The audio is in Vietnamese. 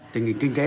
tình hình kinh tế